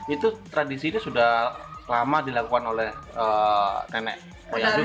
itu tradisinya sudah lama dilakukan oleh nenek moyang juga